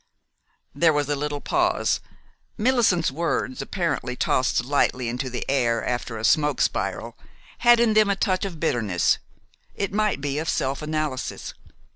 There was a little pause. Millicent's words, apparently tossed lightly into the air after a smoke spiral, had in them a touch of bitterness, it might be of self analysis.